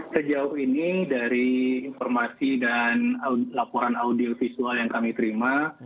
sejauh ini dari informasi dan laporan audio visual yang kami terima